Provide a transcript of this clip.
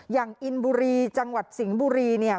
อินบุรีจังหวัดสิงห์บุรีเนี่ย